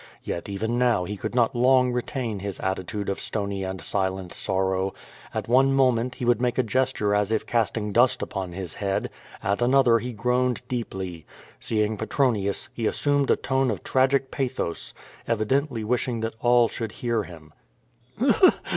Yet even now he could not long re tain his attitude of stony and silent sorrow. At one moment he would make a gesture as if casting dust upon his head, at another he groaned deeply. Seeing Petronius, he assumed a tone of tragic pathos, evidently wishing that all should hear him.